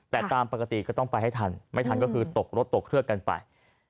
แต่ตามปกติก็ต้องไปให้ทันไม่ทันก็คือตกรถตกเครื่องกันไป